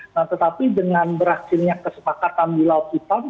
nah tetapi dengan berakhirnya kesepakatan di laut hitam